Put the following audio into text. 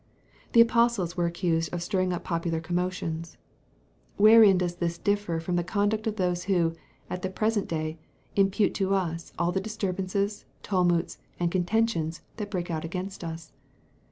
The apostles were accused of stirring up popular commotions. Wherein does this differ from the conduct of those who, at the present day, impute to us all the disturbances, tumults, and contentions, that break out against us?